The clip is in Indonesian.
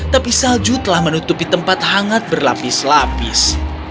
tapi salju telah menutupi tempat hangat berlapis lapis